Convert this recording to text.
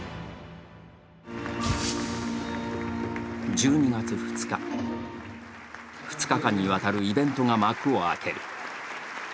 １２月２日、２日間にわたるイベントが幕を開ける。